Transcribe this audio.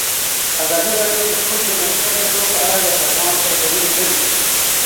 ازادي راډیو د سوله د منفي اغېزو په اړه له کارپوهانو سره خبرې کړي.